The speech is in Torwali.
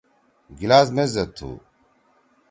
گلاس میز زید تُھو۔